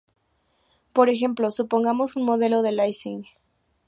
Por ejemplo, supongamos un modelo de Ising.